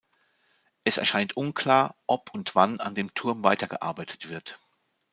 Es erscheint unklar, ob und wann an dem Turm weitergearbeitet wird.